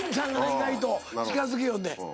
意外と近づきよんねん。